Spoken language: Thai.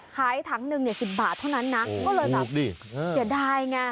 ขายถังหนึ่ง๑๐บาทเท่านั้นนะก็เลยแบบดิเสียดายไง